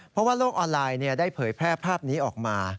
เพราะว่าโลกออนไลน์ได้เผยแพร่ภาพนี้ออกมา